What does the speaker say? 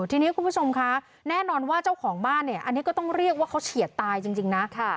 ทีนี้คุณผู้ชมคะแน่นอนว่าเจ้าของบ้านเนี่ยอันนี้ก็ต้องเรียกว่าเขาเฉียดตายจริงนะ